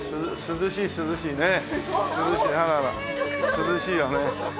涼しいよね。